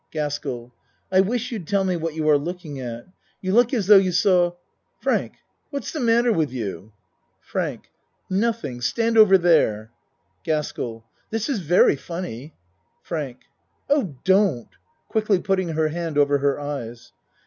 GASKELL I wish you'd tell me what you are looking at. You look as though you saw Frank! what's the matter with you? FRANK Nothing. Stand over there. GASKELL This is very funny. FRANK Oh, don't. (Quickly putting her hand over her eyes.)